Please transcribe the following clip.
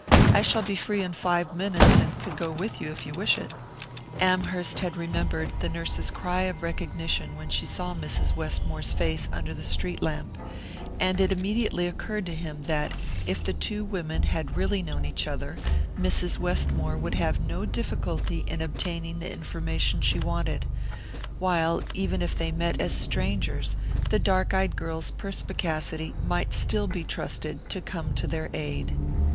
I shall be free in five minutes, and could go with you if you wish it." Amherst had remembered the nurse's cry of recognition when she saw Mrs. Westmore's face under the street lamp; and it immediately occurred to him that, if the two women had really known each other, Mrs. Westmore would have no difficulty in obtaining the information she wanted; while, even if they met as strangers, the dark eyed girl's perspicacity might still be trusted to come to their aid.